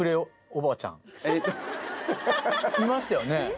いましたよね！？